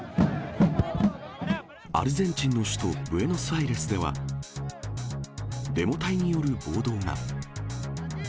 アルゼンチンの首都ブエノスアイレスでは、デモ隊による暴動が。